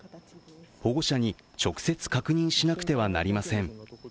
保護者に直接確認しなくてはなりません。